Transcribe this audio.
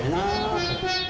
makan makan makan